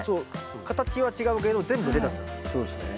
形は違うけど全部レタスなの。